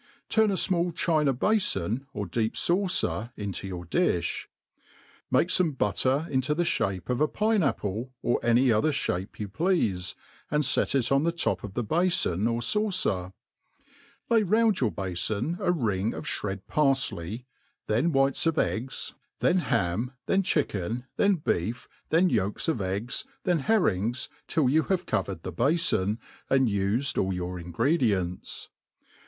Turn a fmall China bafon^ o.r deep faucer, into your difli ; make fome butter into the ibape of a pine apple, or any other Ihape you pleafe, and fet it on the top of the bafon, or faueer ; lay round your bafon a ring of Ihred parfley, then whiter of eggs* MADE PLAIK AND EASY. nt eggs, then ham, then chitken^ t^en bfcef, th^n yolks of tggs, thea herrings, till you have covered the bafon, and ured all your ingredients.